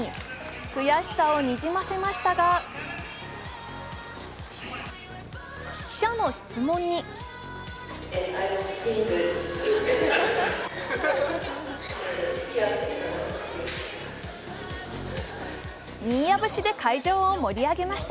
悔しさをにじませましたが記者の質問に新谷節で会場を盛り上げました。